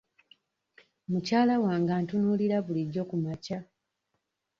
Mukyala wange antunuulira bulijjo ku makya.